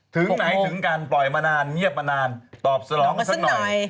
ถึงไหนถึงการปล่อยมานานเงียบมานานตอบสลองกันสักหน่อย